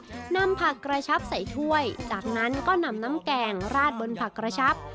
นำผักกระชับใส่ถ้วยจากนั้นก็นำน้ำแกงราดบนผักกระชับ